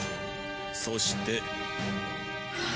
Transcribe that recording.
そして。